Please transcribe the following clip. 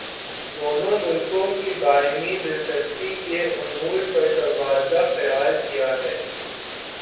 دونوں ملکوں کی باہمی دلچسپی کے امور پر تبادلہ خیال کیا ہے